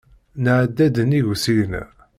Nɛedda-d nnig usigna.